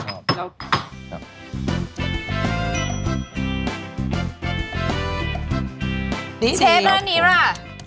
เชฟอันนี้ล่ะมุ่งแพง